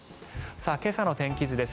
今朝の天気図です。